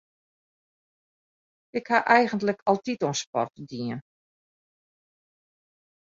Ik ha eigentlik altyd oan sport dien.